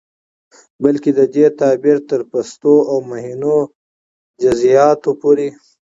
بلکې د دې تعبير تر پستو او مهينو جزيىاتو پورې